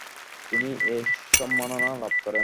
তিনি এ সম্মাননা লাভ করেন।